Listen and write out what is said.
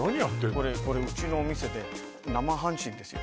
これこれうちのお店で生配信ですよ